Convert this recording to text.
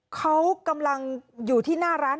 เขากำลังอยู่ที่หน้าร้าน